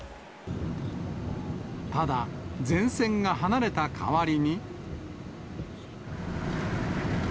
ただ、前線が離れた代わりに。